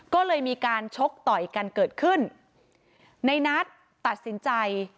ก็เลยมีการชกต่อยกันเกิดขึ้นในนัทตัดสินใจ